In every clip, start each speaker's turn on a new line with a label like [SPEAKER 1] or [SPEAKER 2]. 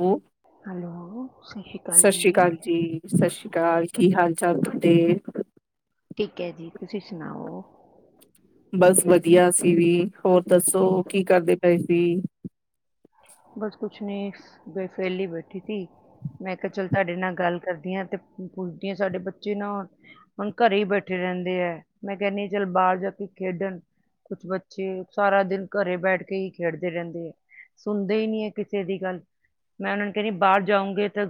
[SPEAKER 1] ਉਹ
[SPEAKER 2] ਹੈਲੋ ਸਤਿ ਸ਼੍ਰੀ ਅਕਾਲ ਜੀ
[SPEAKER 1] ਕਾਲ ਕੀ ਹਾਲ ਚਾਲ ਤੁਹਾਡੇ
[SPEAKER 2] ਠੀਕ ਹ ਜੀ ਤੁਸੀਂ ਸੁਣਾਓ
[SPEAKER 1] ਬਸ ਵਧੀਆ ਅਸੀਂ ਵੀ ਹੋਰ ਦੱਸੋ ਕੀ ਕਰਦੇ ਪਏ ਸੀ
[SPEAKER 2] ਬਸ ਕੁਛ ਨਹੀਂ ਬੈਠੀ ਥੀ ਮੈਂ ਕਿਹਾ ਚਲ ਤੁਹਾਡੇ ਨਾਲ ਗੱਲ ਕਰਦੀ ਆ ਤੇ ਮੂਰਤੀਆਂ ਸਾਡੇ ਬੱਚੇ ਨਾ ਹੋਣ ਘਰੇ ਦਿੰਦੇ ਆ ਮੈਂ ਕਹਿੰਦੀ ਜਲਬਾਲ ਜਾ ਤੂੰ ਖੇਡਣ ਕੁਛ ਬੱਚੇ ਸਾਰਾ ਦਿਨ ਘਰੇ ਬੈਠ ਕੇ ਹੀ ਖੇਡਦੇ ਰਹਿੰਦੇ ਹੁੰਦੇ ਨਹੀਂ ਹ ਕਿਸੇ ਦੀ ਗੱਲ ਤੇਰੀ ਬਾਹਰ ਜਾਉਗੇ ਤੇ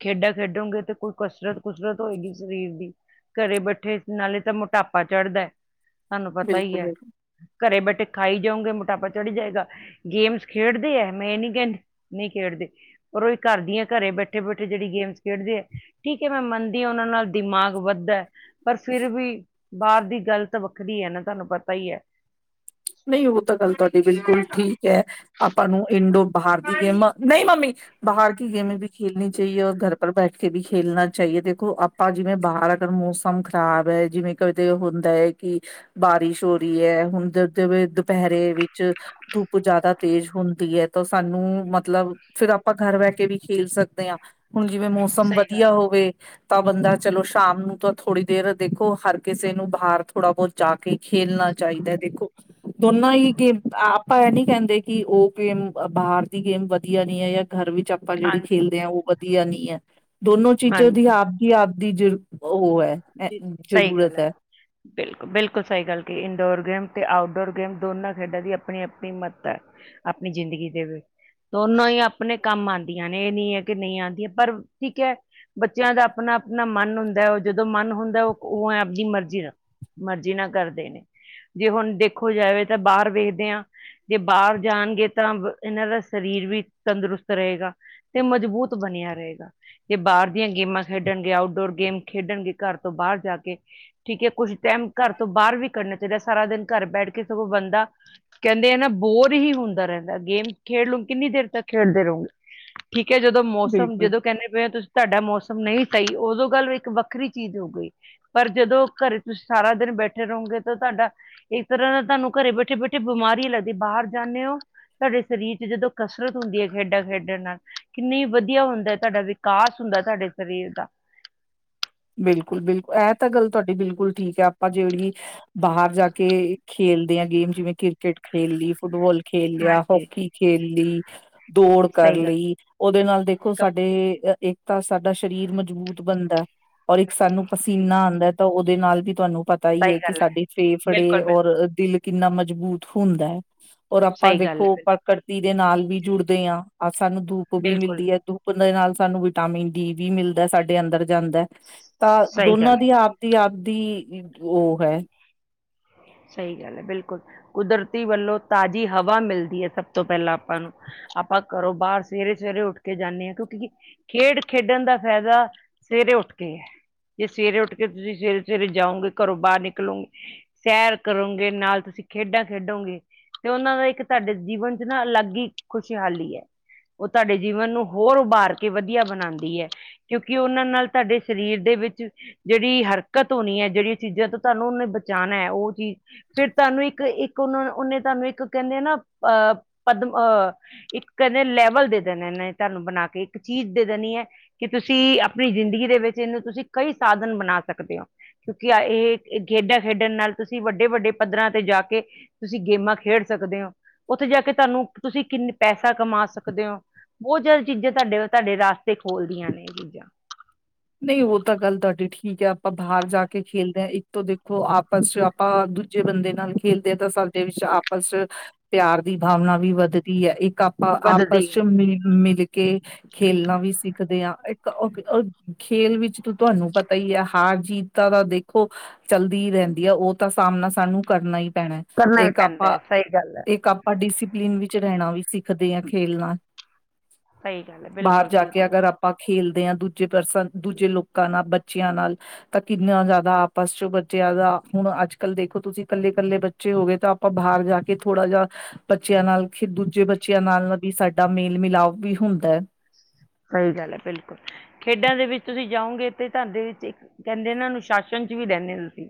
[SPEAKER 2] ਖੇਡਾ ਖੇਡੋਗੇ ਤੇ ਕੋਈ ਕਸਰਟ ਕਸਰਤ ਹੋਏਗੀ ਸਰੀਰ ਦੀ ਘਰੇ ਬੈਠੇ ਨਾਲੇ ਤਾਂ ਮੋਟਾਪਾ ਚੜਦਾ ਤੁਹਾਨੂੰ ਪਤਾ ਹੀ ਹ
[SPEAKER 1] ਬਿਲਕੁਲ
[SPEAKER 2] ਘਰੇ ਬੈਠੇ ਖਾਈ ਜਾਓਗੇ ਮੋਟਾਪਾ ਚੜਹੀ ਜਾਏਗਾ ਗੇਮਸ ਘਰ ਦੀਆਂ ਘਰੇ ਬੈਠੇ ਬੈਠੇ ਜਿਹੜੀ ਗੇਮ ਖੇਡਦੇ ਆ ਠੀਕ ਹ ਮੈਂ ਮੰਨਦੀ ਉਹਨਾਂ ਨਾਲ ਦਿਮਾਗ ਵੱਧਦਾ ਪਰ ਫਿਰ ਵੀ ਬਾਹਰ ਦੀ ਗੱਲ ਤਾਂ ਵੱਖਰੀ ਹੈ ਨਾ ਤੁਹਾਨੂੰ ਪਤਾ ਹੀ
[SPEAKER 1] ਨਹੀਂ ਉਹ ਤਾਂ ਗੱਲ ਤੁਹਾਡੀ ਬਿਲਕੁਲ ਠੀਕ ਹ ਆਪਾਂ ਨੂੰ ਇੰਡੋ ਬਹਾਰ ਦੀ ਗੇਮ ਨਹੀਂ ਬਾਹਰ ਕੀ ਗੇਮ ਵੀ ਖੇਲਨੀ ਚਾਹੀਏ ਘਰ ਪਰ ਬੈਠ ਕੇ ਵੀ ਖੇਲਣਾ ਚਾਹੀਏ ਦੇਖੋ ਆਪਾਂ ਜਿਵੇਂ ਬਾਹਰ ਮੌਸਮ ਖਰਾਬ ਹੈ ਜਿਵੇਂ ਕਦੇ ਹੁੰਦਾ ਕਿ ਬਾਰਿਸ਼ ਹੋ ਰਹੀ ਹੈ ਹੁਣ ਜਿਵੇਂ ਦੁਪਹਿਰੇ ਵਿੱਚ ਧੁੱਪ ਜਿਆਦਾ ਤੇਜ਼ ਹੁੰਦੀ ਹੈ ਤਾਂ ਸਾਨੂੰ ਮਤਲਬ ਆਪਾਂ ਘਰ ਬਹਿ ਕੇ ਵੀ ਖੇਲ ਸਕਦੇ ਆਂ ਹੁਣ ਜਿਵੇਂ ਮੌਸਮ ਵਧੀਆ ਹੋਵੇ ਤਾਂ ਬੰਦਾ ਚਲੋ ਸ਼ਾਮ ਨੂੰ ਥੋੜੀ ਦੇਰ ਦੇਖੋ ਹਰ ਕਿਸੇ ਨੂੰ ਬਹਾਰ ਥੋੜਾ ਪਹੁੰਚਾ ਕੇ ਖੇਲਣਾ ਚਾਹੀਦਾ ਦੇਖੋ ਤੁਰਨਾ ਹੀ ਕਿ ਆਪ ਨਹੀਂ ਕਹਿੰਦੇ ਕਿ ਉਹ ਬਾਹਰ ਦੀ ਗੇਮ ਵਧੀਆ ਨਹੀਂ ਜਾਂ ਘਰ ਵਿੱਚ ਚੱਪਲ ਜਿਹੜੀ
[SPEAKER 2] ਹਾਂਜੀ
[SPEAKER 1] ਖੇਲਦੇ ਆ ਉਹ ਵਧੀਆ ਨਹੀਂ ਹੈ। ਦੋਨੋਂ ਚੀਜ਼ਾਂ
[SPEAKER 2] ਹਾਂਜੀ
[SPEAKER 1] ਦੀ ਆਪਦੀ ਆਪਦੀ ਜਰੂਰ
[SPEAKER 2] ਜੀ ਸਹੀ ਗੱਲ ਹੈ ਬਿਲਕੁਲ ਬਿਲਕੁਲ ਸਹੀ ਗੱਲ ਕੀ ਇਨਡੋਰ ਗੇਮ ਤੇ ਆਊਟਡੋਰ ਗੇਮ ਦੋਨਾਂ ਖੇਡਾਂ ਦੀ ਆਪਣੀ ਆਪਣੀ ਮੱਤ ਹੈ ਆਪਣੀ ਜ਼ਿੰਦਗੀ ਦੇ ਵਿੱਚ ਦੋਨੋਂ ਹੀ ਆਪਣੇ ਕੰਮ ਆਉਂਦੀਆਂ ਨੇ ਇਹ ਨਹੀਂ ਹੈ ਕਿ ਨਹੀਂ ਆਉਂਦੀਆਂ ਪਰ ਠੀਕ ਹੈ ਬੱਚਿਆਂ ਦਾ ਆਪਣਾ ਆਪਣਾ ਮਨ ਹੁੰਦਾ ਹੈ ਉਹ ਜਦੋਂ ਮਨ ਹੁੰਦਾ ਉਹ ਉਹ ਹੈ ਆਪਣੀ ਮਰਜ਼ੀ ਦਾ ਮਰਜ਼ੀ ਨਾ ਕਰਦੇ ਨੇ ਜੇ ਹੁਣ ਦੇਖੋ ਜਾਵੇ ਤਾਂ ਬਾਹਰ ਵੇਖਦੇ ਹਾਂ ਜੇ ਬਾਹਰ ਜਾਣਗੇ ਤਾਂ ਇਹਨਾਂ ਦਾ ਸਰੀਰ ਵੀ ਤੰਦਰੁਸਤ ਰਹੇਗਾ ਤੇ ਮਜ਼ਬੂਤ ਬਣੇ ਰਹੇਗਾ ਜੇ ਬਾਹਰ ਦੀਆਂ ਗੇਮਾਂ ਖੇਡਣਗੇ ਆਊਟਡੋਰ ਗੇਮ ਖੇਡਣਗੇ ਘਰ ਤੋਂ ਬਾਹਰ ਜਾ ਕੇ ਠੀਕ ਹੈ ਕੁਛ ਟਾਈਮ ਘਰ ਤੋਂ ਬਾਹਰ ਵੀ ਕੱਢਣਾ ਚਾਹੀਦਾ ਸਾਰਾ ਦਿਨ ਘਰ ਬੈਠ ਸਗੋਂ ਬੰਦਾ ਕਹਿੰਦੇ ਹੈ ਨਾ ਬੋਰ ਹੀ ਹੁੰਦਾ ਰਹਿੰਦਾ ਗੇਮ ਖੇਡ ਲ ਨੂੰ ਕਿੰਨੀ ਦੇਰ ਤੱਕ ਖੇਡਦੇ ਰਹੋਗੇ ਠੀਕ ਹੈ ਜਦੋਂ ਮੌਸਮ
[SPEAKER 1] ਬਿਲਕੁਲ
[SPEAKER 2] ਜਦੋਂ ਕਹਿੰਦੇ ਪਏ ਹੋ ਤੁਸੀਂ ਤੁਹਾਡਾ ਮੌਸਮ ਨਹੀਂ ਸਹੀ ਉਦੋਂ ਗੱਲ ਵਿੱਚ ਵੱਖਰੀ ਚੀਜ਼ ਹੋ ਗਈ ਪਰ ਜਦੋਂ ਘਰੇ ਤੁਸੀਂ ਸਾਰਾ ਦਿਨ ਬੈਠੇ ਰਹੋਗੇ ਤਾਂ ਤੁਹਾਡਾ ਇੱਕ ਤਰ੍ਹਾਂ ਤੁਹਾਨੂੰ ਘਰੇ ਬੈਠੇ ਬੈਠੇ ਬਿਮਾਰੀ ਹੀ ਲੱਗਦੀ ਬਾਹਰ ਜਾਂਦੇ ਹੋ ਤੁਹਾਡੇ ਸਰੀਰ ਚ ਜਦੋਂ ਕਸਰਤ ਹੁੰਦੀ ਹੈ ਖੇਡਾਂ ਖੇਡਣ ਨਾਲ ਕਿੰਨੀ ਵਧੀਆ ਹੁੰਦਾ ਤੁਹਾਡਾ ਵਿਕਾਸ ਹੁੰਦਾ ਤੁਹਾਡੇ ਸਰੀਰ ਦਾ
[SPEAKER 1] ਬਿਲਕੁਲ ਬਿਲਕੁਲ ਇਹ ਤਾਂ ਗੱਲ ਤੁਹਾਡੀ ਬਿਲਕੁਲ ਠੀਕ ਹੈ ਆਪਾਂ ਜਿਹੜੀ ਬਾਹਰ ਜਾ ਕੇ ਖੇਲਦੇ ਹਾਂ ਗੇਮ ਜਿਵੇਂ ਕ੍ਰਿਕਟ ਖੇਲ ਲਈ ਫੁੱਟਬਾਲ ਖੇਲਿਆ
[SPEAKER 2] ਹਾਂਜੀ
[SPEAKER 1] ਹੋਕੀ ਖੇਲ ਲੀ ਦੌੜ ਕਰ
[SPEAKER 2] ਸਹੀ
[SPEAKER 1] ਲਈ ਉਹਦੇ ਨਾਲ ਦੇਖੋ
[SPEAKER 2] ਗੱਲ
[SPEAKER 1] ਸਾਡੇ ਅ ਇੱਕ ਤਾਂ ਸਾਡਾ ਸਰੀਰ ਮਜ਼ਬੂਤ ਬਣਦਾ ਔਰ ਇੱਕ ਸਾਨੂੰ
[SPEAKER 2] ਸਹੀ ਗੱਲ
[SPEAKER 1] ਪਸੀਨਾ ਆਉਂਦਾ ਤਾਂ ਦੇ ਨਾਲ ਵੀ ਤੁਹਾਨੂੰ ਪਤਾ ਹੀ
[SPEAKER 2] ਸਹੀ
[SPEAKER 1] ਹੈ ਕਿ
[SPEAKER 2] ਗੱਲ
[SPEAKER 1] ਸਾਡੇ
[SPEAKER 2] ਬਿਲਕੁਲ
[SPEAKER 1] ਫੇਫੜੇ
[SPEAKER 2] ਬਿਲਕੁਲ
[SPEAKER 1] ਔਰ ਦਿਲ ਕਿੰਨਾ ਮਜ਼ਬੂਤ ਹੁੰਦਾ ਹੈ ਔਰ ਆਪਾਂ
[SPEAKER 2] ਸਹੀ ਗੱਲ
[SPEAKER 1] ਦੇਖੋ
[SPEAKER 2] ਏ
[SPEAKER 1] ਪ੍ਰਕਿਰਤੀ ਦੇ ਨਾਲ ਵੀ ਜੁੜਦੇ ਹਾਂ ਸਾਨੂੰ ਧੁੱਪ ਵੀ
[SPEAKER 2] ਬਿਲਕੁਲ
[SPEAKER 1] ਮਿਲਦੀ ਹੈ ਧੁੱਪ ਦੇ ਨਾਲ ਸਾਨੂੰ ਵਿਟਾਮਿਨ ਡੀ ਵੀ ਮਿਲਦਾ ਸਾਡੇ ਅੰਦਰ ਜਾਂਦਾ। ਤਾਂ
[SPEAKER 2] ਸਹੀ ਗੱਲ
[SPEAKER 1] ਦੋਨਾਂ ਦੀ ਆਪਦੀ ਆਪਦੀ ਉਹ ਹੈ।
[SPEAKER 2] ਸਹੀ ਗੱਲ ਐ ਬਿਲਕੁਲ ਕੁਦਰਤੀ ਵੱਲੋਂ ਤਾਜ਼ੀ ਹਵਾ ਮਿਲਦੀ ਐ ਸਭ ਤੋਂ ਪਹਿਲਾਂ ਆਪਾਂ ਨੂੰ। ਆਪਾਂ ਘਰੋਂ ਬਾਹਰ ਸਵੇਰੇ ਸਵੇਰੇ ਉੱਠ ਕੇ ਜਾਂਦੇ ਹਾਂ ਕਿਉਂਕਿ ਖੇਡ ਖੇਡਣ ਦਾ ਫਾਇਦਾ ਸਵੇਰੇ ਸਵੇਰੇ ਉੱਠ ਕੇ ਜੇ ਸਵੇਰੇ ਉੱਠ ਕੇ ਤੁਸੀਂ ਸਵੇਰੇ ਸਵੇਰੇ ਜਾਓਗੇ ਘਰੋਂ ਬਾਹਰ ਨਿਕਲੋਗੇ ਸੈਰ ਕਰੋਗੇ ਨਾਲ ਤੁਸੀਂ ਖੇਡਾਂ ਖੇਡੋਗੇ ਤੇ ਉਹਨਾਂ ਦਾ ਇੱਕ ਤੁਹਾਡੇ ਜੀਵਨ ਚ ਨਾ ਅਲੱਗ ਹੀ ਖੁਸ਼ਹਾਲੀ ਹੈ ਉਹ ਤੁਹਾਡੇ ਜੀਵਨ ਨੂੰ ਹੋਰ ਉਭਾਰ ਕੇ ਵਧੀਆ ਬਣਾਉਂਦੀ ਹੈ ਕਿਉਂਕਿ ਉਹਨਾਂ ਨਾਲ ਤੁਹਾਡੇ ਸਰੀਰ ਦੇ ਵਿੱਚ ਜਿਹੜੀ ਹਰਕਤ ਹੋਣੀ ਹੈ ਜਿਹੜੀਆਂ ਚੀਜ਼ਾਂ ਤੋਂ ਤੁਹਾਨੂੰ ਉਹਨੇ ਬਚਾਉਣਾ ਹੈ ਉਹ ਚੀਜ਼ ਫਿਰ ਤੁਹਾਨੂੰ ਇੱਕ ਇੱਕ ਉਹਨੇ ਤੁਹਾਨੂੰ ਇੱਕ ਕਹਿੰਦੇ ਨਾ ਅ ਪਦਮ ਇੱਕ ਕਹਿੰਦੇ ਲੈਵਲ ਦੇ ਦੇਣੇ ਤੁਹਾਨੂੰ ਬਣਾ ਕੇ ਇੱਕ ਚੀਜ਼ ਦੇ ਦੇਣੀ ਹੈ ਕਿ ਤੁਸੀਂ ਆਪਣੀ ਜ਼ਿੰਦਗੀ ਦੇ ਵਿੱਚ ਇਹਨੂੰ ਤੁਸੀਂ ਕਈ ਸਾਧਨ ਬਣਾ ਸਕਦੇ ਹੋ ਕਿਉਂਕਿ ਇਹ ਖੇਡਾਂ ਖੇਡਣ ਨਾਲ ਤੁਸੀਂ ਵੱਡੇ ਵੱਡੇ ਪੱਧਰਾਂ ਤੇ ਜਾ ਕੇ ਤੁਸੀਂ ਗੇਮਾਂ ਖੇਡ ਸਕਦੇ ਹੋ ਉੱਥੇ ਜਾ ਕੇ ਤੁਹਾਨੂੰ ਤੁਸੀਂ ਪੈਸਾ ਕਮਾ ਸਕਦੇ ਹੋ ਬਹੁਤ ਜ਼ਿਆਦਾ ਚੀਜ਼ਾਂ ਤੁਹਾਡੇ ਤੁਹਾਡੇ ਰਸਤੇ ਖੋਲਦੀਆਂ ਨੇ ਇਹ ਚੀਜ਼ਾਂ
[SPEAKER 1] ਨਹੀਂ ਉਹ ਤਾਂ ਗੱਲ ਤੁਹਾਡੀ ਠੀਕ ਹੈ ਆਪਾਂ ਬਾਹਰ ਜਾ ਕੇ ਖੇਲਦੇ ਹੈ ਇੱਕ ਤੋਂ ਦੇਖੋ ਆਪਸ ਚ ਆਪਾਂ ਦੂਜੇ ਬੰਦੇ ਨਾਲ ਖੇਲਦੇ ਆ ਤਾਂ ਸਾਡੇ ਵਿੱਚ ਆਪਸ ਪਿਆਰ ਦੀ ਭਾਵਨਾ ਵੀ ਵੱਧਦੀ ਹੈ ਇੱਕ ਆਪਾਂ
[SPEAKER 2] ਵੱਧਦੀ
[SPEAKER 1] ਆਪਸ ਚ
[SPEAKER 2] ਹੈ
[SPEAKER 1] ਮਿਲ ਮਿਲ ਕੇ ਖੇਲਨਾ ਵੀ ਸਿੱਖਦੇ ਆ ਇੱਕ ਓ ਖੇਲ ਵਿੱਚ ਤ ਤੁਹਾਨੂੰ ਪਤਾ ਈ ਹੈ ਹਾਰ ਜੀਤ ਤਾਂ ਤਾਂ ਦੇਖੋ ਚੱਲਦੀ ਰਹਿੰਦੀ ਐ ਉਹ ਤਾਂ ਸਾਮਨਾ ਸਾਨੂੰ ਕਰਨਾ ਈ ਪੈਨਾ
[SPEAKER 2] ਕਰਨਾ ਹੀ
[SPEAKER 1] ਇੱਕ
[SPEAKER 2] ਪੈਂਦਾ
[SPEAKER 1] ਆਪਾਂ
[SPEAKER 2] ਹੈ ਸਹੀ ਗੱਲ ਹੈ
[SPEAKER 1] ਇੱਕ ਆਪਾਂ ਡਿਸਪਲਿਨ ਵਿੱਚ ਰਹਿਣਾ ਵੀ ਸਿਖ ਦੇਖਦੇ ਆ ਖੇਲਨਾ,
[SPEAKER 2] ਸਹੀ ਗੱਲ ਹੈ
[SPEAKER 1] ਬਾਹਰ
[SPEAKER 2] ਬਿਲਕੁਲ
[SPEAKER 1] ਜਾ ਕੇ
[SPEAKER 2] ਬਿਲਕੁਲ
[SPEAKER 1] ਅਗਰ ਆਪਾਂ ਖੇਲਦੇ ਆ ਦੂਜ ਦੂਜੇ ਪਰਸਨ ਦੂਜੇ ਲੋਕਾਂ ਨਾਲ ਬੱਚਿਆਂ ਨਾਲ ਤਾਂ ਕਿੰਨਾ ਜ਼ਿਆਦਾ ਆਪਸ ਚ ਬੱਚਿਆਂ ਦਾ ਹੁਣ ਅੱਜ ਕੱਲ ਦੇਖੋ ਤੁਸੀਂ ਕੱਲੇ ਕੱਲੇ ਬੱਚੇ ਹੋ ਗਏ ਤਾਂ ਆਪਾਂ ਬਾਹਰ ਜਾ ਕੇ ਥੋੜਾ ਜਾ ਬੱਚਿਆਂ ਨਾਲ ਖਿਦੂ ਬੱਚਿਆਂ ਨਾਲ ਵੀ ਸਾਡਾ ਮੇਲ ਮਿਲਾਪ ਵੀ ਹੁੰਦਾ।
[SPEAKER 2] ਸਹੀ ਗੱਲ ਐ ਬਿਲਕੁਲ। ਖੇਡਾਂ ਦੇ ਵਿੱਚ ਤੁਸੀਂ ਜਾਓਂਗੇ ਤੇ ਤੈਡੇ ਚ ਇੱਕ ਕਹਿੰਦੇ ਨਾ ਅਨੂੰਸਾਸ਼ਨ ਚ ਵੀ ਰੈਨੇ ਤੁਸੀਂ।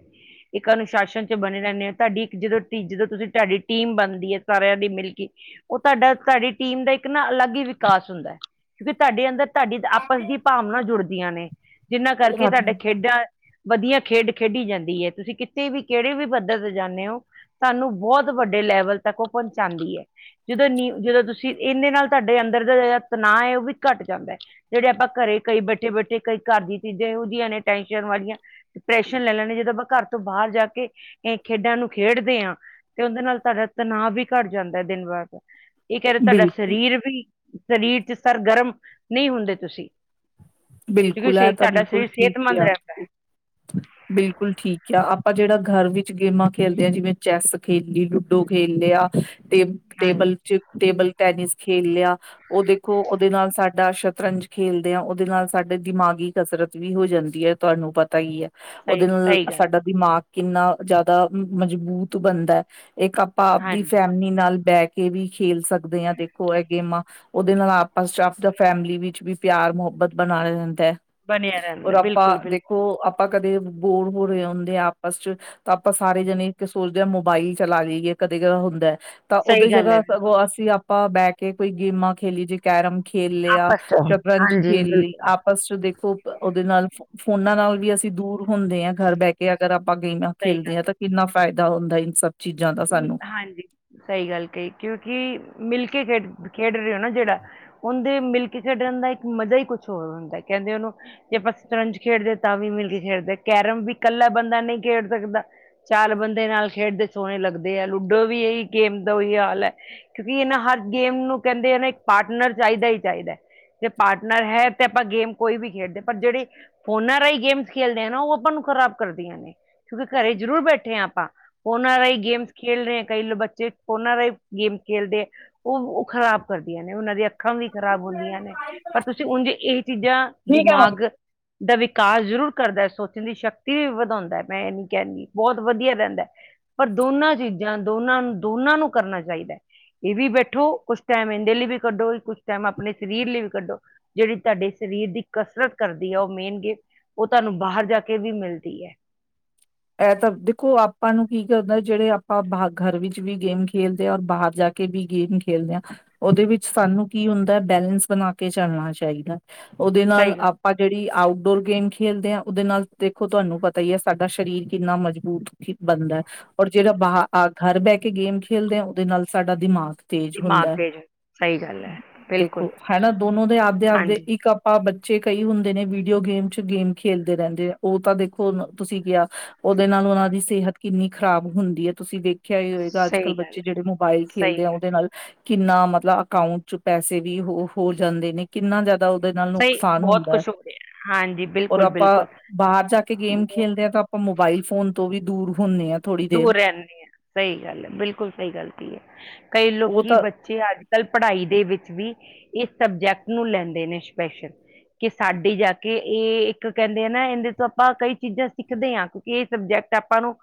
[SPEAKER 2] ਇੱਕ ਅਨੁਸ਼ਾਸਨ ਚ ਬਨੇ ਰਹਿੰਨੇ ਆ ਤੁਹਾਡੀ ਇੱਕ ਜਦੋਂ ਜਦੋਂ ਤੁਸੀਂ ਤੁਹਾਡੀ ਟੀਮ ਬਨਦੀ ਐ, ਸਾਰਿਆਂ ਦੀ ਮਿਲ ਕੇ ਉਹ ਤੁਹਾਡਾ ਤੁਹਾਡੀ ਟੀਮ ਦਾ ਇੱਕ ਨਾ ਅਲੱਗ ਹੀ ਵਿਕਾਸ ਹੁੰਦਾ। ਕਿਉਂਕਿ ਤੈਡੇ ਅੰਦਰ ਤੈਡੀ ਆਪਸ ਦੀ ਭਾਵਨਾ ਜੁੜਦੀਆਂ ਨੇ। ਜਿਹਨਾਂ ਕਰਕੇ ਤੁਹਾਡੇ ਖੇਡਾਂ ਵਦੀਆ ਖੇਡ ਖੇਡੀ ਜਾਂਦੀ ਏ। ਤੁਸੀਂ ਕਿਤੇ ਵੀ ਕਿਹੜੇ ਵੀ ਪੱਧਰ ਤੇ ਜਾਨੇ ਓ ਤੁਹਾਨੂੰ ਬਹੁਤ ਵੱਡੇ ਲੈਵਲ ਤੱਕ ਉਹ ਪਹੁੰਚਾਂਦੀ ਐ। ਜਦੋਂ ਨੀ ਜਦੋਂ ਤੁਸੀਂ ਇਹਨੇ ਨਾਲ ਤੁਹਾਡੇ ਅੰਦਰ ਦਾ ਜ ਨਾ ਹੈ ਉਹ ਵੀ ਘੱਟ ਜਾਂਦਾ ਜਿਹੜੇ ਆਪਾਂ ਘਰੇ ਕਈ ਬੈਠੇ ਬੈਠੇ ਕਈ ਘਰ ਦੀਆਂ ਚੀਜ਼ਾਂ ਇਹੋ ਜਿਹੀਆਂ ਨੇ ਟੈਂਸ਼ਨ ਵਾਲੀਆਂ ਡਿਪਰੈਸ਼ਨ ਲੈ ਲੈਂਦੇ ਜਦੋਂ ਆਪਾਂ ਘਰ ਤੋਂ ਬਾਹਰ ਜਾ ਕੇ ਇਹ ਖੇਡਾਂ ਨੂੰ ਖੇਡਦੇ ਆ ਤੇ ਉਹਂਦੇ ਨਾਲ ਤੁਹਾਡਾ ਤਨਾਵ ਵੀ ਘੱਟ ਜਾਂਦਾ ਐ ਦਿਨ ਵਾਰ ਦਾ ਇਹ ਕਿਹਰੇ ਤੁਹਾਡਾ
[SPEAKER 1] ਬਿਲਕੁਲ
[SPEAKER 2] ਸਰੀਰ ਵੀ ਸਰੀਰ ਚ ਸਰਗਰਮ ਨਈ ਹੁੰਦੇ ਤੁਸੀਂ। ਕਿਉਂਕਿ
[SPEAKER 1] ਬਿਲਕੁਲ ਏ
[SPEAKER 2] ਸੇ
[SPEAKER 1] ਤਾਂ
[SPEAKER 2] ਤੁਹਾਡਾ
[SPEAKER 1] ਬਿਲਕੁਲ
[SPEAKER 2] ਸਰੀਰ
[SPEAKER 1] ਠੀਕ
[SPEAKER 2] ਸਿਹਤਮੰਦ
[SPEAKER 1] ਕਿਆ
[SPEAKER 2] ਰਹਿੰਦਾ ਹੈ
[SPEAKER 1] ਤੁਸੀਂ, ਬਿਲਕੁਲ ਠੀਕ ਕਿਆ ਆਪ ਆਪਾਂ ਜਿਹੜਾ ਘਰ ਵਿੱਚ ਗੇਮਾਂ ਖੇਲਦੇ ਆ, ਜਿਵੇਂ ਚੈਸ ਖੇਲ ਲਈ, ਲੂਡੋ ਖੇਲ ਲਿਆ। ਟੇਬ
[SPEAKER 2] ਹਾਂਜੀ
[SPEAKER 1] ਟੇਬਲ ਚ ਟੇਬਲ ਟੈਨਿਸ ਖੇਲ ਲਿਆ ਉਹ ਦੇਖੋ ਉਹਦੇ ਨਾਲ ਸਾਡਾ ਸ਼ਤਰੰਜ ਖੇਲਦੇ ਆ ਉਹਦੇ ਨਾਲ ਸਾਡੇ ਦਿਮਾਗੀ ਕਸਰਤ ਵੀ ਹੋ ਜਾਂਦੀ ਐ ਤੁਹਾਨੂੰ ਪਤਾ ਈ ਐ,
[SPEAKER 2] ਸਹੀ
[SPEAKER 1] ਉਹਦੇ ਨਾਲ
[SPEAKER 2] ਸਹੀ ਗੱਲ
[SPEAKER 1] ਸਾਡਾ ਦਿਮਾਗ ਕਿੰਨਾ ਜਿਆਦਾ ਮਜ਼ਬੂਤ ਬਣਦਾ ਇੱਕ ਆਪਾਂ ਆਪਦੀ
[SPEAKER 2] ਹਾਂਜੀ
[SPEAKER 1] ਫੈਮਿਲੀ ਨਾਲ ਬੈਕ ਕੇ ਵੀ ਖੇਲ ਸਕਦੇ ਹਾਂ ਦੇਖੋ ਇਹ ਗੇਮਾਂ ਉਹਦੇ ਨਾਲ ਆਪਸ ਚ ਆਪਦਾ ਫੈਮਿਲੀ ਵਿੱਚ ਵੀ ਪਿਆਰ ਮੁਹੱਬਤ ਬਣਾ ਲ ਲੈਂਦਾ ਹੈ
[SPEAKER 2] ਬਣਿਆ
[SPEAKER 1] ਔਰ
[SPEAKER 2] ਰਹਿੰਦਾ
[SPEAKER 1] ਆਪਾਂ
[SPEAKER 2] ਬਿਲਕੁਲ ਬਿਲਕੁਲ
[SPEAKER 1] ਦੇਖੋ ਆਪਾਂ ਕਦੇ ਬੋਰ ਹੋ ਰਹੇ ਹੁੰਦੇ ਆ ਆਪਸ ਚ ਤਾਂ ਆਪਾਂ ਸਾਰੇ ਜਣੇ ਸੋਚਦੇ ਹਾਂ ਮੋਬਾਇਲ ਚਲਾ ਲਈਏ। ਕਦੇ ਕ ਹੁੰਦਾ ਐ, ਤਾਂ ਉਹਦੇ
[SPEAKER 2] ਸਹੀ ਗੱਲ ਹੈ
[SPEAKER 1] ਜਗ੍ਹਾ
[SPEAKER 2] ਬਿਲਕੁਲ
[SPEAKER 1] ਸਗੋਂ ਅਸੀਂ ਆਪਾਂ ਬਹਿ ਕੇ ਕੋਈ ਗੇਮਾਂ ਖੇਲੀ ਜੇ ਕੈਰਮ ਖੇਲ ਲਿਆ
[SPEAKER 2] ਆਪਸ ਚ
[SPEAKER 1] ਸ਼ਤਰੰਜ
[SPEAKER 2] ਹਾਂਜੀ
[SPEAKER 1] ਖੇਲ ਲਈ
[SPEAKER 2] ਬਿਲਕੁਲ
[SPEAKER 1] ਆਪਸ ਚ ਦੇਖੋ ਉਹਦੇ ਨਾਲ ਫੋਨਾ ਨਾਲ ਵੀ ਅਸੀਂ ਦੂਰ ਹੁੰਦੇ ਆ ਘਰ ਬਹਿ ਕੇ ਅਗਰ ਆਪਾਂ ਗੇਮਾਂ
[SPEAKER 2] ਸਹੀ
[SPEAKER 1] ਖੇਲਦੇ
[SPEAKER 2] ਗੱਲ
[SPEAKER 1] ਹਾਂ ਤਾਂ ਕਿੰਨਾ ਫਾਇਦਾ ਹੁੰਦਾ ਇਨ ਸਭ। ਚੀਜ਼ਾਂ ਦਾ ਸਾਨੂੰ
[SPEAKER 2] ਹਾਂਜੀ। ਸਹੀ ਗੱਲ ਕਹੀ ਕਿਉਂਕਿ, ਮਿਲਕ ਕੇ ਖੇਡ ਖੇਡ ਰਹੇ ਹੋ ਨਾ ਜਿਹੜਾ ਉਹਂਦੇ ਮਿਲ ਕੇ ਖੇਡਣ ਦਾ ਇੱਕ ਮਜ਼ਾ ਈ ਕੁਛ ਹੋਰ ਹੁੰਦਾ, ਕਹਿੰਦੇ ਉਹਨੂੰ ਜੇ ਆਪਾਂ ਸ਼ਤਤੰਜ ਖੇਡਦੇ ਤਾਂ ਵੀ ਮਿਲ ਕੇ ਖੇਡਦੇ ਕੈਰਮ ਵੀ ਕੱਲਾ ਬੰਦਾ ਨਈ ਖੇਡ ਸਕਦਾ। ਚਾਰ ਬੰਦੇ ਨਾਲ ਖੇਡਦੇ ਸੋਹਣੇ ਲੱਗਦੇ। ਲੂਡੋ ਵੀ ਇਹੀ ਗੇਮ ਦਾ ਉਹੀ ਹਾਲ ਐ ਕਿਉਂਕਿ ਇਹਨਾਂ ਹਰ ਗੇਮ ਨੂੰ ਕਹਿੰਦੇ ਇਹ ਨਾ ਇੱਕ ਪਾਰਟਨਰ ਚਾਈਦਾ ਈ ਚਾਈਦਾ। ਜੇ‌ ਪਾਰਟਨਰ ਹੈ ਤੇ ਆਪਾਂ ਗੇਮ ਕੋਈ ਵੀ ਖੇਡਦੇ ਪਰ ਜਿਹੜੇ ਫੋਨਾਂ ਰਾਹੀਂ ਗੇਮਸ ਖੇਲਦੇ ਐ ਨਾ ਉਹ ਆਪਾਂ ਨੂੰ ਖਰਾਬ ਕਰਦੀਆਂ ਨੇ ਕਿਉਂਕਿ ਘਰੇ ਜ਼ਰੂਰ ਬੈਠੇ ਆ ਆਪਾਂ ਉਹਨਾਂ ਰਾਹੀ ਗੇਮਸ ਖੇਲ ਰਹੇ ਆ ਕਈ ਬੱਚੇ ਫੋਨਾਂ ਰਾਈ ਗੇਮ ਖੇਲਦੇ ਐ, ਉਹ-ਉਹ ਖਰਾਬ ਕਰਦੀਆਂ ਨੇ ਉਹਨਾਂ ਦੀਆਂ ਅੱਖਾਂ ਵੀ ਖ਼ਰਾਬ ਹੁੰਦੀਆਂ ਨੇ ਪਰ ਤੁਸੀਂ ਉਂਝ ਇਹ ਚੀਜ਼ਾਂ ਦਿਮਾਗ ਦਾ ਵਿਕਾਸ ਜ਼ਰੂਰ ਕਰਦਾ, ਸੋਚਣ ਦੀ ਸ਼ਕਤੀ ਵੀ ਵਧਾਉਂਦਾ ਐ ਮੈਂ ਇਹ ਨ ਕਹਿਂਦੀ, ਬਹੁਤ ਵਦੀਆ ਰਹਿੰਦਾ। ਪਰ ਦੋਨਾਂ ਚੀਜ਼ਾਂ, ਦੋਨਾਂ ਨੂੰ, ਦੋਨਾਂ ਨੂੰ ਕਰਨਾ ਚਾਈਦਾ। ਇਹ ਵੀ ਬੈਠੋ ਕੁਛ ਟੈਮ ਇਹਂਦੇ ਲਈ ਵੀ ਕੱਢੋ ਕੁਛ ਟੈਮ ਆਪਣੇ ਸਰੀਰ ਲਈ ਵੀ ਕੱਢੋ ਜਿਹੜੀ ਤੁਹਾਡੇ ਸਰੀਰ ਦੀ ਕਸਰਤ ਕਰਦੀ ਐ ਉਹ ਮੇਨਗੇ ਉਹ ਤੁਹਾਨੂੰ ਬਾਹਰ ਜਾ ਕੇ ਵੀ ਮਿਲਦੀ ਐ।
[SPEAKER 1] ਇਹ ਤਾਂ ਦੇਖੋ ਆਪਾਂ ਨੂੰ ਕੀ ਕਰਦਾ ਜਿਹੜੇ ਆਪਾਂ ਬਾਹ ਘਰ ਵਿੱਚ ਵੀ ਗੇਮ ਖੇਲਦੇ ਔਰ ਬਾਹਰ ਜਾ ਕੇ ਕੇ ਵੀ ਗੇਮ ਖੇਲਦੇ ਆ। ਉਹਦੇ ਵਿੱਚ ਸਾਨੂੰ ਕੀ ਹੁੰਦਾ ਬੈਲੈਂਸ ਬਣਾ ਕੇ ਚੱਲਣਾ ਚਾਹੀਦਾ। ਉਹਦੇ
[SPEAKER 2] ਸਹੀ
[SPEAKER 1] ਨਾਲ
[SPEAKER 2] ਗੱਲ
[SPEAKER 1] ਆਪਾਂ ਜਿਹੜੀ ਆਊਟਡੋਰ ਗੇਮ ਖੇਡਦੇ ਹਾਂ। ਉਹਦੇ ਨਾਲ ਦੇਖੋ ਤੁਹਾਨੂੰ ਪਤਾ ਹੀ ਹੈ। ਸਾਡਾ ਸਰੀਰ ਕਿੰਨਾ ਮਜ਼ਬੂਤ ਬਣਦਾ। ਔਰ ਜਿਹੜਾ ਬਾਹ ਘਰ ਬਹਿ ਕੇ ਗੇਮ ਖੇਲਦੇ ਆ। ਉਹਦੇ ਨਾਲ ਸਾਡਾ ਦਿਮਾਗ ਸਟੇਜ
[SPEAKER 2] ਦਿਮਾਗ
[SPEAKER 1] ਹੁੰਦਾ।
[SPEAKER 2] ਤੇਜ ਸਹੀ ਗੱਲ ਹੈ ਬਿਲਕੁਲ
[SPEAKER 1] ਦੇਖੋ, ਹਨਾ। ਦੋਨੋ ਦੇ ਆਪਦੇ ਆਪਦੇ ਇੱਕ ਆਪਾਂ ਬੱਚੇ ਕਈ ਹੁੰਦੇ ਨੇ ਵੀਡੀਓ ਗੇਮ ਚ ਗੇਮ ਖੇਲਦੇ ਰਹਿੰਦੇ ਨੇ ਉਹ ਤਾਂ ਦੇਖੋ ਤੁਸੀਂ ਕਿਹਾ ਉਹਦੇ ਨਾਲ ਉਹਨਾਂ ਦੀ ਸਿਹਤ ਕਿੰਨੀ ਖ਼ਰਾਬ ਹੁੰਦੀ ਹੈ। ਤੁਸੀਂ ਵੇਖ ਰਖਿਆ ਹੀ ਹੋਏਗਾ। ਅੱਜ
[SPEAKER 2] ਸਹੀ
[SPEAKER 1] ਕੱਲ੍ਹ
[SPEAKER 2] ਗੱਲ
[SPEAKER 1] ਬੱਚੇ
[SPEAKER 2] ਹੈ
[SPEAKER 1] ਜਿਹੜੇ ਮੋਬਾਇਲ
[SPEAKER 2] ਸਹੀ
[SPEAKER 1] ਖੇਲਦੇ ਆ
[SPEAKER 2] ਗੱਲ
[SPEAKER 1] ਉਹਦੇ ਨਾਲ ਕਿੰਨਾ ਮਤਲਬ ਅਕਾਊਂਟ ਚ ਪੈਸੇ ਵੀ ਹੋ ਹੋ ਜਾਂਦੇ ਨੇ ਕਿੰਨਾ ਦਾ ਉਹਦੇ ਨਾਲ
[SPEAKER 2] ਸਹੀ
[SPEAKER 1] ਨੁਕਸਾਨ
[SPEAKER 2] ਬਹੁਤ
[SPEAKER 1] ਹੁੰਦਾ ਹੈ।
[SPEAKER 2] ਕੁਛ ਹੋ ਰਿਹਾ ਹਾਂਜੀ
[SPEAKER 1] ਔਰ
[SPEAKER 2] ਬਿਲਕੁਲ
[SPEAKER 1] ਆਪਾਂ,
[SPEAKER 2] ਬਿਲਕੁਲ
[SPEAKER 1] ਬਾਹਰ ਜਾ ਕੇ ਗੇਮ ਖੇਲਦੇ ਹਾਂ ਤਾਂ ਆਪਾਂ ਮੋਬਾਈਲ ਫੋਨ ਤੋਂ ਵੀ ਦੂਰ ਹੁੰਦੇ ਹਾਂ ਥੋੜ੍ਹੀ ਦੇਰ
[SPEAKER 2] ਦੂਰ ਰਹਿੰਦੇ ਹਾਂ। ਸਹੀ ਗੱਲ ਹੈ। ਬਿਲਕੁਲ ਸਹੀ ਗਲਤੀ ਹੈ। ਕਈ
[SPEAKER 1] ਉਹ
[SPEAKER 2] ਲੋਕੀ
[SPEAKER 1] ਤਾਂ
[SPEAKER 2] ਬੱਚੇ ਅੱਜ- ਕੱਲ ਪੜ੍ਹਾਈ ਦੇ ਵਿੱਚ ਵੀ ਇਸ ਸਬਜੈਕਟ ਨੂੰ ਲੈਂਦੇ ਨੇ ਸਪੈਸ਼ਲ। ਕਿ ਸਾਡੇ ਜਾ ਕੇ ਇਹ ਇੱਕ ਕਹਿੰਦੇ ਆ ਨਾ ਇਹਦੇ ਤੋਂ ਆਪਾਂ ਕਈ ਚੀਜ਼ਾਂ ਸਿੱਖਦੇ ਹਾਂ ਕਿਉਂਕਿ ਇਹ ਸਬਜੈਕਟ ਆਪਾਂ ਨੂੰ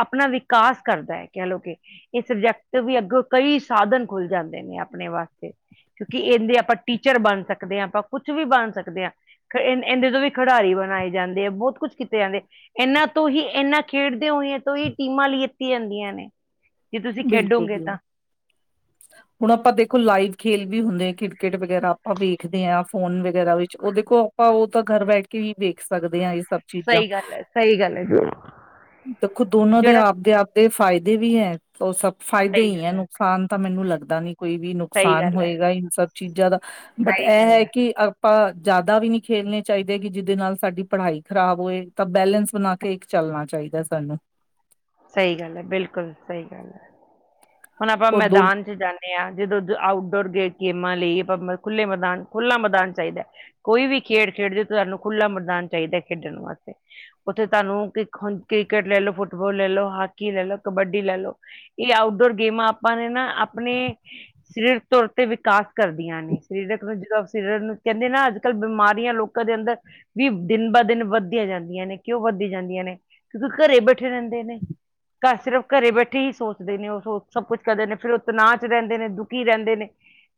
[SPEAKER 2] ਆਪਣਾ ਵਿਕਾਸ ਕਰਦਾ ਹੈ। ਕਹਿ ਲਓ, ਕਿ ਇਹ ਸਬਜੈਕਟ ਵੀ ਅੱਗੋਂ ਕਈ ਸਾਧਨ ਖੁੱਲ ਜਾਂਦੇ ਨੇ। ਆਪਣੇ ਵਾਸਤੇ। ਕਿਉਂਕਿ ਇਹਦੇ ਆਪਾਂ ਟੀਚਰ ਬਣ ਸਕਦੇ ਹਾਂ ਆਪਾਂ ਕੁਛ ਵੀ ਬਣ ਸਕਦੇ ਹਾਂ। ਇਹਦੇ ਤੋਂ ਵੀ ਖਿਡਾਰੀ ਬਣਾਏ ਜਾਂਦੇ ਆ ਬਹੁਤ ਕੁਛ ਕੀਤੇ ਜਾਂਦੇ ਇਹਨਾਂ ਤੋਂ ਹੀ ਇਹਨਾ ਖੇਡਦੇ ਹੋਏਆਂ। ਤੋਂ ਹੀ ਟੀਮਾਂ ਲੈ ਦਿੱਤੀਆਂ ਜਾਂਦੀਆਂ ਨੇ। ਜੇ ਤੁਸੀਂ
[SPEAKER 1] ਬਿਲਕੁਲ।
[SPEAKER 2] ਖੇਡੋਗੇ ਤਾਂ
[SPEAKER 1] ਹੁਣ ਆਪਾਂ ਦੇਖੋ ਲਾਈਵ ਖੇਲ ਵੀ ਹੁੰਦੇ ਆ ਕ੍ਰਿਕਟ ਵਗੈਰਾ ਆਪਾਂ ਵੇਖਦੇ ਹਾਂ ਫੋਨ ਵਗੈਰਾ ਵਿੱਚ ਉਹ ਦੇਖੋ ਆਪਾਂ ਉਹ ਤਾਂ ਘਰ ਬਹਿਠ ਕੇ ਵੀ ਵੇਖ ਸਕਦੇ ਹਾਂ ਇਸ ਸਭ ਚੀਜ਼ਾਂ।
[SPEAKER 2] ਸਹੀ ਗੱਲ ਹੈ ਸਹੀ ਗੱਲ ਹੈ
[SPEAKER 1] ਦੇਖੋ ਦੋਨੋ ਦੇ
[SPEAKER 2] ਜਿਹੜਾ
[SPEAKER 1] ਆਪਦੇ -ਆਪਦੇ ਫਾਇਦੇ ਫਦੇ ਵੀ ਹੈ। ਉਹ ਸਭ ਫਾਇਦੇ
[SPEAKER 2] ਸਹੀ
[SPEAKER 1] ਹੀ ਹੈ
[SPEAKER 2] ਗੱਲ
[SPEAKER 1] ਨੁਕਸਾਨ ਤਾਂ ਮੈਨੂੰ ਲੱਗਦਾ ਨੀ। ਕੋਈ ਵੀ
[SPEAKER 2] ਸਹੀ
[SPEAKER 1] ਨੁਕਸਾਨ
[SPEAKER 2] ਗੱਲ ਹੈ
[SPEAKER 1] ਹੋਏਗਾ ਇਹਨ ਸਭ ਚੀਜ਼ਾਂ ਦਾ। ਬਟ
[SPEAKER 2] ਸਹੀ
[SPEAKER 1] ਇਹ
[SPEAKER 2] ਗੱਲ
[SPEAKER 1] ਹੈ ਕਿ ਆਪਾਂ ਜ਼ਿਆਦਾ ਵੀ ਨਹੀਂ ਖੇਲਣੇ ਚਾਹੀਦੇ ਕਿ ਜਿਹਦੇ ਨਾਲ ਸਾਡੀ ਪੜ੍ਹਾਈ ਖ਼ਰਾਬ ਹੋਏ ਤਾਂ ਬੈਲੈਂਸ ਬਣਾ ਕੇ ਇੱਕ ਚ ਭੁੱਲਣਾ ਚਾਹੀਦਾ ਸਾਨੂੰ।
[SPEAKER 2] ਸਹੀ ਗੱਲ ਹੈ ਬਿਲਕੁਲ ਸਹੀ ਗੱਲ ਹੈ ਹੁਣ ਆਪਾਂ
[SPEAKER 1] ਹੋਰ ਦੋ
[SPEAKER 2] ਮੈਦਾਨ ਚ ਜਾਂਦੇ ਹਾਂ ਜਦੋਂ ਆਊਟਡੋਰ ਗੇਟ ਗੇਮਾਂ ਲਈ ਆਪਾਂ ਖੁੱਲ੍ਹੇ ਮੈਦਾਨ ਖੁੱਲ੍ਹਾ ਮੈਦਾਨ ਚਾਹੀਦਾ। ਕੋਈ ਵੀ ਖੇਡ ਖੇਡਦੇ ਤੁਹਾਨੂੰ ਖੁੱਲ੍ਹਾ ਮੈਦਾਨ ਚਾਹੀਦਾ ਖੇਡਣ ਵਾਸਤੇ ਉੱਥੇ ਤੁਹਾਨੂੰ ਹ ਕ੍ਰਿਕਟ ਲੈ ਲਓ, ਫੁੱਟਬਾਲ ਲੈ ਲਓ ਹਾਕੀ ਲੈ ਲਓ ਕਬੱਡੀ ਲੈ ਲਓ, ਇਹ ਆਊਟਡੋਰ ਗੇਮਾਂ ਆਪਾਂ ਨੇ ਨਾ ਆਪਣੇ, ਸਰੀਰ ਤੌਰ ਤੇ ਵਿਕਾਸ ਕਰਦੀਆਂ ਨੇ। ਸਰੀਰ ਰੱਖਣਾ ਜਦੋਂਂ ਕਹਿੰਦੇ ਨਾ ਅੱਜ ਕੱਲ੍ਹ ਬਿਮਾਰੀਆਂ ਲੋਕਾਂ ਦੇ ਅੰਦਰ ਵੀ ਦਿਨ ਬਾ ਦਿਨ ਵੱਧਦੀਆਂ ਜਾਂਦੀਆਂ ਨੇ। ਕਿਉਂ ਵੱਧ ਜਾਂਦੀਆਂ ਨੇ, ਕਿਉਂਕਿ ਘਰੇ ਬੈਠੇ ਰਹਿੰਦੇ ਨੇ, ਘਰ ਸਿਰਫ ਘਰੇ ਬੈਠੇ ਹੀ ਸੋਚਦੇ ਨੇ ਉਹ ਸੋ ਸਭ ਕੁਛ ਕਰਦੇ ਨੇ, ਫਿਰ ਉਹ ਤਨਾਅ ਚ ਰਹਿੰਦੇ ਨੇ, ਦੁਖੀ ਰਹਿੰਦੇ ਨੇ।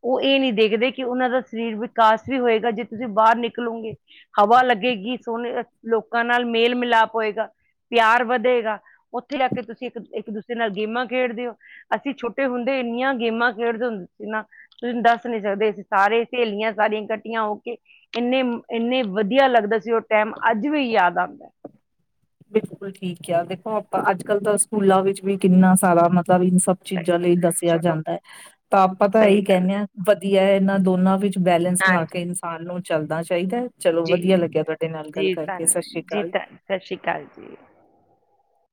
[SPEAKER 2] ਉਹ ਇਹ ਨਹੀਂ ਦੇਖਦੇ ਕਿ ਉਹਨਾਂ ਦਾ ਸਰੀਰ ਵਿਕਾਸ ਵੀ ਹੋਏਗਾ। ਜੇ ਤੁਸੀਂ ਬਾਹਰ ਨਿਕਲੋਗੇ ਹਵਾ ਲੱਗੇ ਗੀ ਸੋਹਨੇ ਲੋਕਾਂ ਨਾਲ ਮੇਲ- ਮਿਲਾਪ ਹੋਏਗਾ। ਪਿਆਰ ਵਧੇਗਾ। ਉੱਥੇ ਜਾ ਕੇ ਤੁਸੀਂ ਇੱਕ- ਇੱਕ- ਦੂਸੇ ਨਾਲ ਗੇਮਾਂ ਖੇਡਦੇ ਹੋ। ਅਸੀਂ ਛੋਟੇ ਹੁੰਦੇ ਇੰਨੀਆਂ ਗੇਮਾਂ ਖੇਡਦੇ ਹੁੰਦੇ ਸੀ ਨਾ ਤੁਸੀਂ ਦੱਸ ਨੀ ਸਕਦੇ। ਅਸੀਂ ਸਾਰੇ ਸਹੇਲੀਆਂ ਸਾਰੇ ਇੱਕਠਿਆਂ ਹੋ ਕੇ ਇੰਨੇ- ਇੰਨੇ ਵਧੀਆ ਲੱਗਦਾ ਸੀ। ਉਹ ਟਾਈਮ ਅੱਜ ਵੀ ਯਾਦ ਆਉਂਦਾ। [inaudible]
[SPEAKER 1] ਬਿਲਕੁਲ ਠੀਕ ਕਿਹਾ, ਦੇਖੋ ਆਪਾਂ ਅੱਜ ਕੱਲ ਤਾਂ ਸਕੂਲਾਂ ਵਿੱਚ ਵੀ ਕਿੰਨਾ ਸਾਰਾ ਮਤਲਬ ਵੀ ਸਭ
[SPEAKER 2] ਸਹੀ,
[SPEAKER 1] ਚੀਜ਼ਾਂ ਲਈ ਦੱਸਿਆ
[SPEAKER 2] ਚਲੋ
[SPEAKER 1] ਜਾਂਦਾ ਹੈ। ਤਾਂ ਆਪਾਂ ਤਾਂ
[SPEAKER 2] ਸਹੀ
[SPEAKER 1] ਇਹੀ
[SPEAKER 2] ਗੱਲ
[SPEAKER 1] ਕਹਿੰਦੇ ਹਾਂ ਵਧੀਆ ਹੈ। ਇਹਨਾਂ ਦੋਨਾਂ ਵਿੱਚ ਬੈਲੇੈਂਸ
[SPEAKER 2] ਹੈ।
[SPEAKER 1] ਬਲਾ
[SPEAKER 2] ਹਾਂਜੀ
[SPEAKER 1] ਕੇ ਇਨਸਾਨ ਨੂੰ ਚੱਲਦਾ। ਚਾਹੀਦਾ। ਚਲੋ
[SPEAKER 2] ਜੀ
[SPEAKER 1] ਵਧੀਆ ਲੱਗਿਆ ਤੁਹਾਡੇ ਨਾਲ ਗੱਲ
[SPEAKER 2] ਜੀ
[SPEAKER 1] ਕਰਕੇ ਸਤਿ ਸ੍ਰੀ ਅਕਾਲ।
[SPEAKER 2] ਹ।